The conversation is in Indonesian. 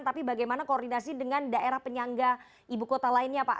tapi bagaimana koordinasi dengan daerah penyangga ibu kota lainnya pak